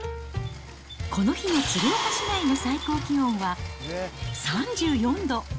この日の鶴岡市内の最高気温は３４度。